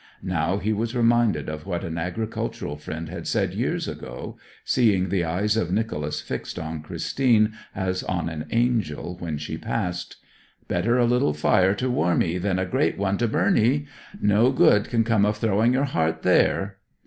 Now he was reminded of what an agricultural friend had said years ago, seeing the eyes of Nicholas fixed on Christine as on an angel when she passed: 'Better a little fire to warm 'ee than a great one to burn 'ee. No good can come of throwing your heart there.'